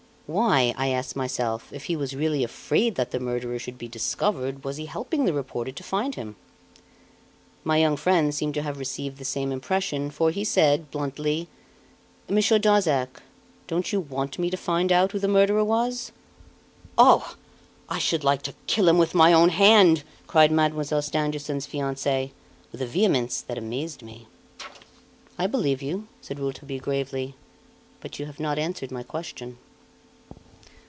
Why, I asked myself, if he was really afraid that the murderer should be discovered, was he helping the reporter to find him? My young friend seemed to have received the same impression, for he said, bluntly: "Monsieur Darzac, don't you want me to find out who the murderer was?" "Oh! I should like to kill him with my own hand!" cried Mademoiselle Stangerson's fiance, with a vehemence that amazed me. "I believe you," said Rouletabille gravely; "but you have not answered my question."